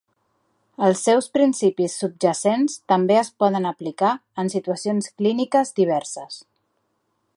Els seus principis subjacents també es poden aplicar en situacions clíniques diverses.